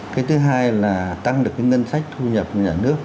cái thứ hai là tăng được cái ngân sách thu nhập nhà nước